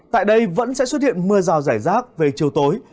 tại đây vẫn sẽ xuất hiện mưa rào rải rác về chiều tối